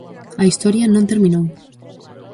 A Historia non terminou!